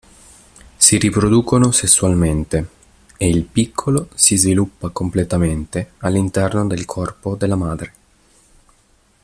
Si riproducono sessualmente, e il piccolo si sviluppa completamente all'interno del corpo della madre.